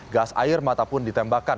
gas air mata pun ditembakkan